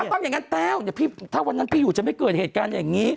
ต้องอย่างนั้นแต้วเนี่ยพี่ถ้าวันนั้นพี่อยู่จะไม่เกิดเหตุการณ์อย่างนี้